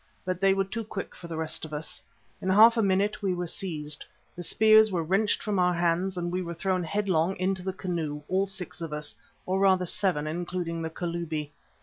But they were too quick for the rest of us. In half a minute we were seized, the spears were wrenched from our hands and we were thrown headlong into the canoe, all six of us, or rather seven including the Kalubi.